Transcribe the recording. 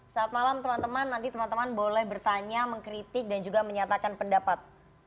saat malam teman teman nanti teman teman boleh bertanya mengkritik dan juga menyatakan pendapat